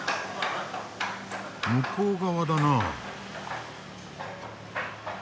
・向こう側だな。